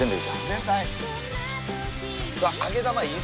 全体！